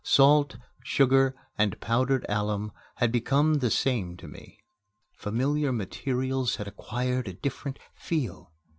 Salt, sugar, and powdered alum had become the same to me. Familiar materials had acquired a different "feel."